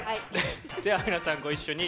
では皆さんご一緒に。